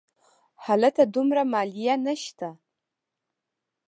هلته دومره مالیه نه شته.